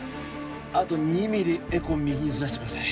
あと２ミリエコーを右にずらしてください